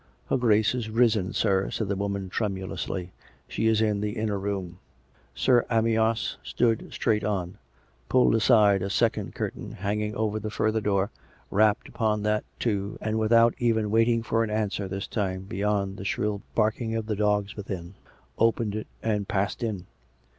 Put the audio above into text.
" "Her Grace is risen, sir," said the woman tremulously; " she is in the inner room." Sir Amyas strode straight on, pulled aside a second cur tain hanging over the further door, rapped upon that, too, and without even waiting for an answer this time, beyond the shrill barking of dogs within, opened it and passed in.